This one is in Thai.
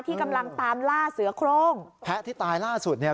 ที่กำลังตามล่าเสือโครงแพะที่ตายล่าสุดเนี่ย